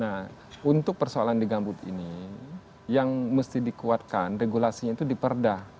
nah untuk persoalan di gambut ini yang mesti dikuatkan regulasinya itu di perda